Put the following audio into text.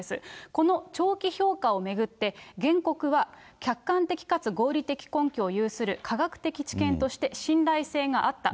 この長期評価を巡って、原告は客観的かつ合理的根拠を有する科学的知見として信頼性があった。